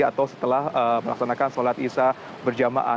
atau setelah melaksanakan salat isa berjamaah